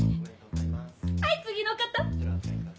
はい次の方！